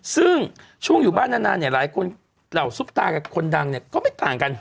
ซึ่งช่วงอยู่บ้านนานเนี่ยหลายคนเหล่าซุปตากับคนดังเนี่ยก็ไม่ต่างกัน